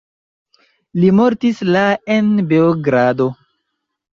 Li mortis la en Beogrado.